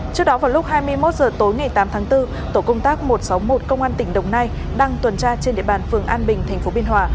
trước đó vào lúc hai mươi một h tối ngày tám tháng bốn tổ công tác một trăm sáu mươi một công an tỉnh đồng nai đang tuần tra trên địa bàn phường an bình tp biên hòa